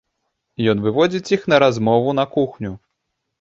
Ён выводзіць іх на размову на кухню.